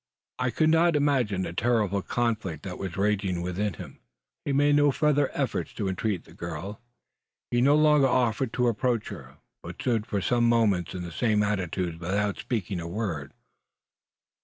I could imagine the terrible conflict that was raging within. He made no further efforts to intreat the girl. He no longer offered to approach her; but stood for some moments in the same attitude without speaking a word.